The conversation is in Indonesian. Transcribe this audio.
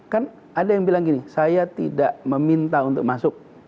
kan ada yang bilang gini saya tidak meminta untuk masuk